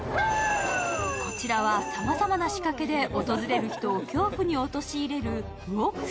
こちらはさまざまな仕掛けで訪れる人を恐怖に陥れるウォーク